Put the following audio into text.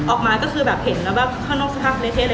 ออกมาก็คือเห็นเราข้างนอกคือพักเลเทศ